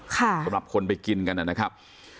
สำหรับคนไปกินกันนะครับ